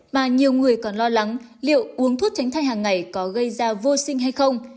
mà nhiều người còn lo lắng liệu uống thuốc tránh thai hàng ngày có gây ra vô sinh hay không